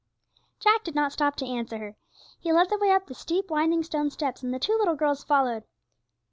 Jack did not stop to answer her; he led the way up the steep, winding stone steps, and the two little girls followed.